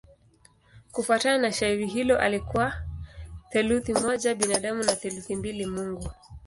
Kufuatana na shairi hilo alikuwa theluthi moja binadamu na theluthi mbili mungu.